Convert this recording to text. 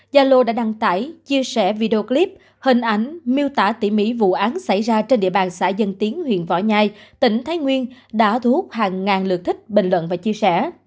gia lô đã đăng tải chia sẻ video clip hình ảnh miêu tả tỉ mỹ vụ án xảy ra trên địa bàn xã dân tiến huyện võ nhai tỉnh thái nguyên đã thu hút hàng ngàn lượt thích bình luận và chia sẻ